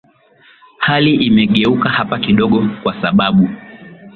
hali imegeuka hapa kidogo kwa sababu